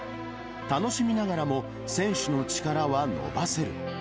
楽しみながらも選手の力は伸ばせる。